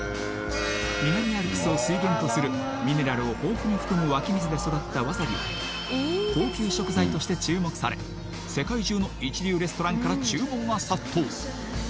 南アルプスを水源とするミネラルを豊富に含む湧き水で育ったわさびは高級食材として注目され世界中の一流レストランから注文が殺到